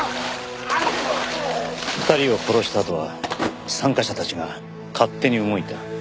２人を殺したあとは参加者たちが勝手に動いた。